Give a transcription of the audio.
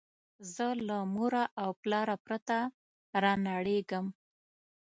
زه له موره او پلاره پرته رانړېږم